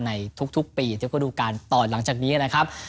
ในทุกปีเทียบกระดูกการต่อหลังจากนี้นะครับ